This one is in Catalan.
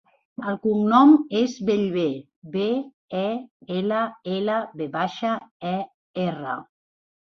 El cognom és Bellver: be, e, ela, ela, ve baixa, e, erra.